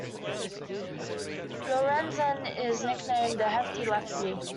Lorenzen is nicknamed the "Hefty Lefty".